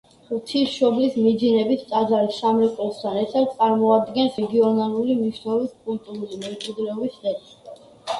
ღვთისმშობლის მიძინების ტაძარი სამრეკლოსთან ერთად წარმოადგენს რეგიონალური მნიშვნელობის კულტურული მემკვიდრეობის ძეგლს.